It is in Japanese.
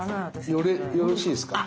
よろしいですか。